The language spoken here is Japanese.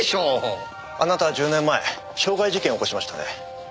あなたは１０年前傷害事件を起こしましたね。